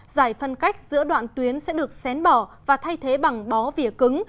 giải phân cách giữa đoạn tuyến sẽ được xén bỏ và thay thế bằng bó vỉa cứng